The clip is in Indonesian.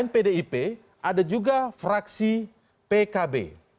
pdip ada juga fraksi pkb